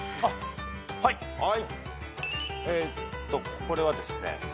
これはですね